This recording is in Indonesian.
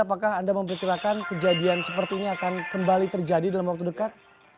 apakah anda memperkirakan kejadian seperti ini akan kembali terjadi dalam waktu dekat